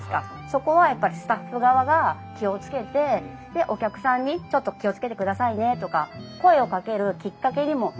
そこはやっぱりスタッフ側が気を付けてでお客さんに「ちょっと気を付けてくださいね」とか声をかけるきっかけにもなるし。